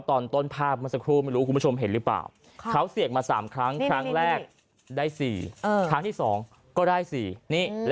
ตอนต้นภาพวันสักครู่ไม่รู้คุณผู้ชมเห็นรึเปล่า